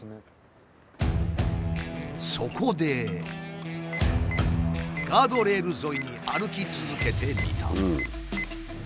そこでガードレール沿いに歩き続けてみた。